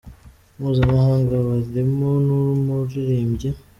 mpuzamahanga barimo n’umuririmbyi.